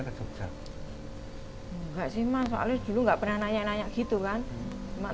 enggak sih mas soalnya dulu nggak pernah nanya nanya gitu kan